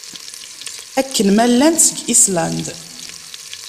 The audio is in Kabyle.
Akken ma llant seg Island.